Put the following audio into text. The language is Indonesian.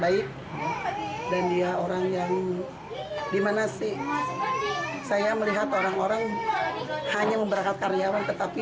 baik dan dia orang yang dimana sih saya melihat orang orang hanya memberangkat karyawan tetapi